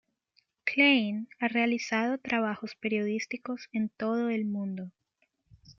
Klein ha realizado trabajos periodísticos en todo el mundo.